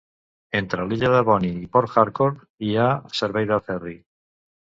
Entre l'illa de Bonny i Port Harcourt hi ha servei de ferri.